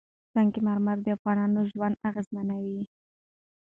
سنگ مرمر د افغانانو ژوند اغېزمن کوي.